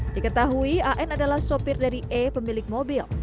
diketahui an adalah sopir dari e pemilik mobil